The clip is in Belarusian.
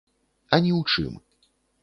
А ні ў чым.